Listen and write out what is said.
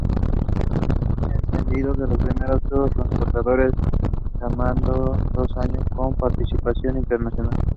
El tendido de los primeros tubos transportadores demandó dos años, con participación internacional.